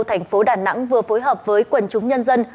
thành phố đà nẵng vừa phối hợp với quần chúng nhân dân